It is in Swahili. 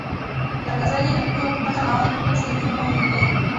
mtangazaji anatakiwa kupata maoni kuhusu mifumo mipya